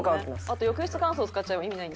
あと浴室乾燥使っちゃえば意味ない。